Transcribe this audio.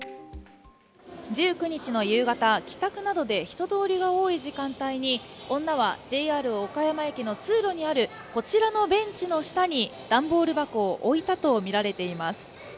１９日の夕方、帰宅などで人通りが多い時間帯に女はＪＲ岡山駅の通路にあるこちらのベンチの下に段ボール箱を置いたとみられています。